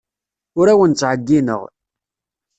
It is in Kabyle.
Ur awen-ttɛeyyineɣ.